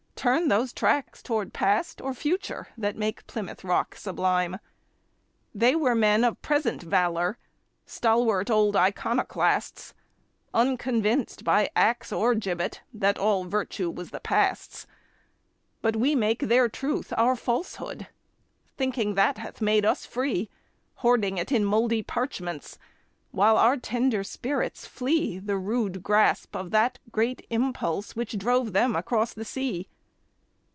Turn those tracks toward Past or Future, that make Plymouth Rock sublime? They were men of present valor, stalwart old iconoclasts, Unconvinced by axe or gibbet that all virtue was the Past's; But we make their truth our falsehood, thinking that hath made us free, Hoarding it in mouldy parchments, while our tender spirits flee The rude grasp of that great Impulse which drove them across the sea.